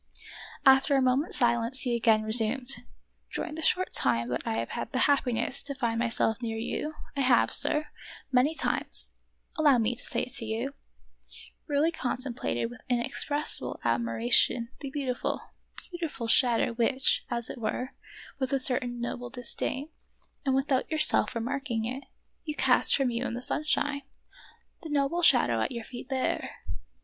of Peter Schlemihl. 1 1 After a moment's silence he again resumed :" During the short time that I had the happiness to find myself near you, I have, sir, many times — allow me to say it to you — really contem plated with inexpressible admiration the beauti ful, beautiful shadow which, as it were, with a certain noble disdain, and without yourself re marking it, you cast from you in the sunshine, — the noble shadow at your feet there.